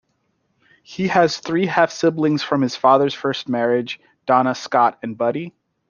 He also has three half-siblings from his father's first marriage: Donna, Scott, and Buddy.